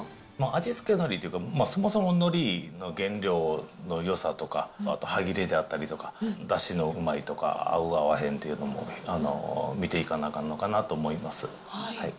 味付けのりっていうか、そもそものりの原料のよさとか、あと歯切れであったりとか、だしのうまみとか、合う合わへんというのも見ていかなあかんのかなと思います。